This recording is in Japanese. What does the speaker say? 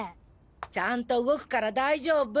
ちゃんと動くから大丈夫！